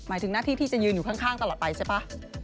ถึงหน้าที่ที่จะยืนอยู่ข้างตลอดไปใช่ป่ะ